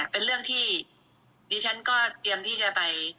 เป็นเรื่องที่ดิฉันก็เตรียมที่จะไป